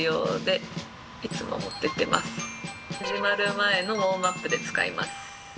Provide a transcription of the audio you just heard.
始まる前のウォームアップで使います。